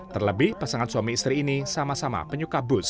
terlebih pasangan suami istri ini sama sama penyuka bus